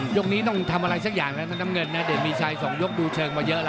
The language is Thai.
ยกนี้ต้องทำอะไรสักอย่างแล้วนะน้ำเงินนะเดชมีชัย๒ยกดูเชิงมาเยอะแล้ว